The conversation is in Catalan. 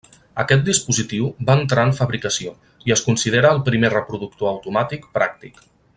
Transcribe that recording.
Aquest dispositiu va entrar en fabricació, i es considera el primer reproductor automàtic pràctic.